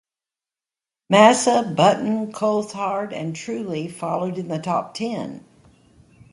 Massa, Button, Coulthard and Trulli followed in the top ten.